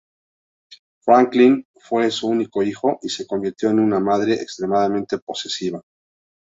Franklin fue su único hijo, y se convirtió en una madre extremadamente posesiva.